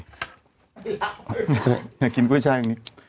อยากกินกุ้ยชายแบบนี้